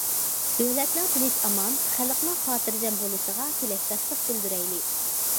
دۆلەتنىڭ تىنچ- ئامان، خەلقنىڭ خاتىرجەم بولۇشىغا تىلەكداشلىق بىلدۈرەيلى!